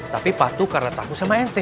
tapi patuh karena takut sama nt